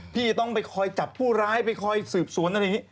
พี่ต้องไปคอยจับผู้ร้ายไปคอยสืบสวนอะไรอย่างนี้